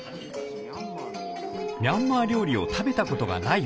ミャンマー料理を食べたことがない